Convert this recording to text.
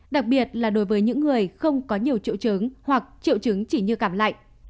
đặc biệt là đối với những người không có nhiều triệu chứng hoặc triệu chứng chỉ như cảm lạnh